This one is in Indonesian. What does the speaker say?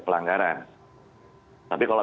pelanggaran tapi kalau